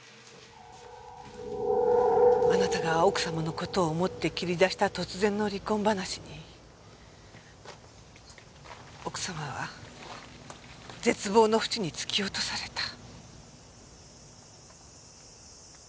あなたが奥様の事を思って切り出した突然の離婚話に奥様は絶望のふちに突き落とされた。